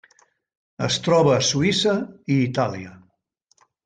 Es troba a Suïssa i Itàlia.